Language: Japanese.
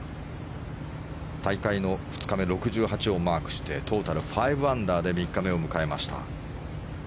大会の２日目、６８をマークしてトータル５アンダーで３日目を迎えました。